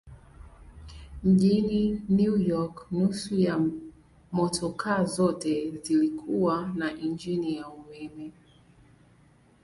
Mjini New York nusu ya motokaa zote zilikuwa na injini ya umeme.